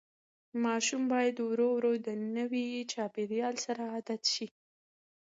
ماشوم باید ورو ورو د نوي چاپېریال سره عادت شي.